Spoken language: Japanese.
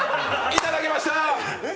いただきました！